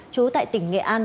chú tại tỉnh nghệ an